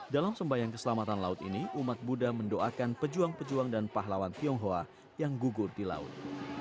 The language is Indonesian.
dalam sembayang keselamatan laut ini umat buddha mendoakan pejuang pejuang dan pahlawan tionghoa yang gugur di laut